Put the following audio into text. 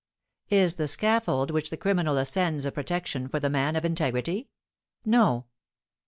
Is the scaffold which the criminal ascends a protection for the man of integrity? No.